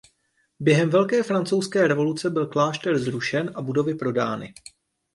Během Velké francouzské revoluce byl klášter zrušen a budovy prodány.